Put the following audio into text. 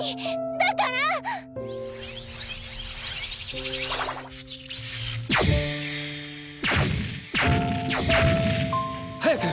だから！早く！